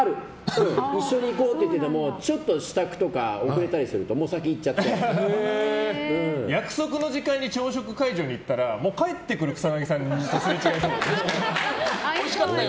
一緒に行こうと言われれてもちょっと支度とか遅れたりすると約束の時間に朝食会場に行ったら帰ってくる草なぎさんとおいしかったよ！